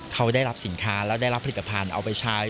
เขาได้รับสินค้าแล้วได้รับผลิตภัณฑ์เอาไปใช้